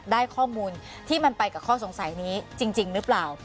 ได้ข้อมูลที่มันไปกับข้อสงสัยนี้จริงหรือเปล่า